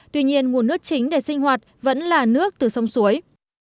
tuy nhiên nguồn nước chính để sinh hoạt vẫn là nước từ sông suối